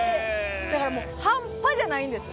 だからもう半端じゃないんです。